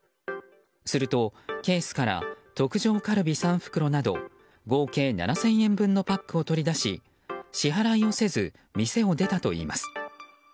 すると、ケースから特上カルビ３袋など合計７０００円分のパックを取り出し支払いをせず店を出たといいます。